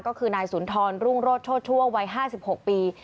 ก็คือนายสุนทรรุ่งโรดโทษทั่วไว้๕๖ปี